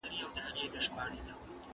امنیت به د اقتصاد په وده کي مرسته وکړي.